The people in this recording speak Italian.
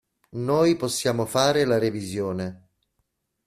Noi possiamo fare la revisione.